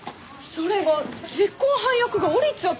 それが実行犯役が降りちゃって。